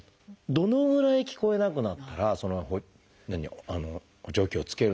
どのぐらい聞こえなくなったらその補聴器を着けるのかという。